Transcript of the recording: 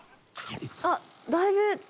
あっだいぶ。